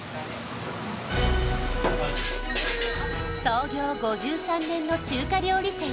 創業５３年の中華料理店